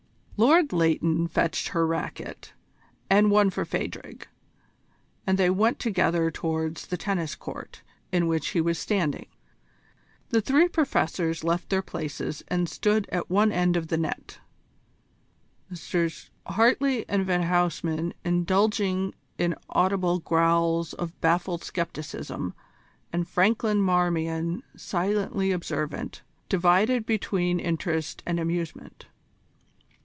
Lord Leighton fetched her racquet and one for Phadrig, and they went together towards the tennis court in which he was standing. The three Professors left their places and stood at one end of the net, Messrs Hartley and Van Huysman indulging in audible growls of baffled scepticism, and Franklin Marmion silently observant, divided between interest and amusement.